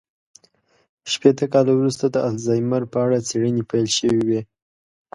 شپېته کاله وروسته د الزایمر په اړه څېړنې پيل شوې وې.